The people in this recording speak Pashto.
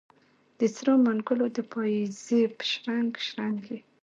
د سرو منګولو د پایزیب شرنګ، شرنګ یې